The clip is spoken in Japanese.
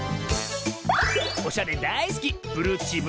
おしゃれだいすき